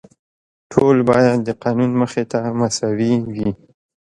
ټول باید د قانون مخې ته مساوي وي.